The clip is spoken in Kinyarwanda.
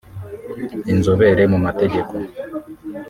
Inzobere mu mategeko